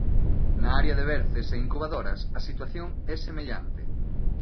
Na área de berces e incubadoras, a situación é semellante.